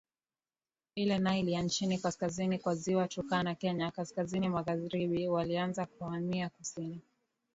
la Nile ya chini kaskazini kwa Ziwa Turkana Kenya kaskazini magharibiWalianza kuhamia kusini